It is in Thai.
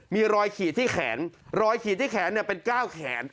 มีรอยขีดที่แขนรอยขีดที่แขนเนี่ยเป็นเก้าแขน